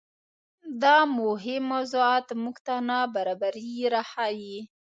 دا مهم موضوعات موږ ته نابرابرۍ راښيي.